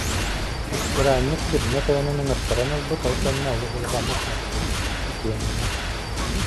Ыспыраанньык түрмэ тойонун ыҥыртаран ылбыт, ол кэннэ олус улаханнык мөхпүт, итиэннэ: